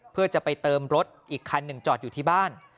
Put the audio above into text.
เพื่อจะไปเติมรถอีกคันหนึ่งจอดอยู่ที่บ้าน